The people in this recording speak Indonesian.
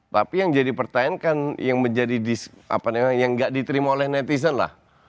tapi yang jadi pertanyaan kan yang gak diterima oleh netizen lah